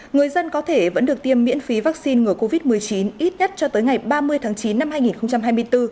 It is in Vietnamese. người dân có thể vẫn được tiêm miễn phí vaccine ngừa covid một mươi chín ít nhất cho tới ngày ba mươi tháng chín năm hai nghìn hai mươi bốn